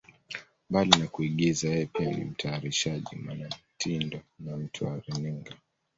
Mbali na kuigiza, yeye pia ni mtayarishaji, mwanamitindo na mtu wa runinga.